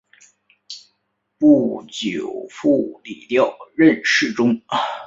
不久傅祗调任侍中。